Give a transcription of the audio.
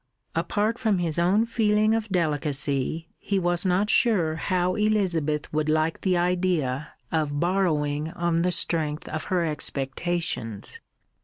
Apart from his own feeling of delicacy, he was not sure how Elizabeth would like the idea of borrowing on the strength of her expectations.